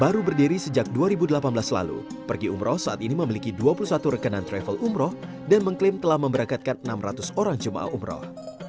baru berdiri sejak dua ribu delapan belas lalu pergi umroh saat ini memiliki dua puluh satu rekanan travel umroh dan mengklaim telah memberangkatkan enam ratus orang jemaah umroh